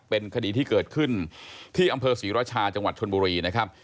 เป็นคดีที่เกิดขึ้นที่อำเภอศรีราชาจังหวัดชนบุรีนะครับ